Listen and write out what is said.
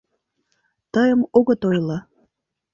Тыйым огыт ойло!